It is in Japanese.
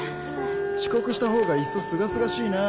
遅刻したほうがいっそすがすがしいな。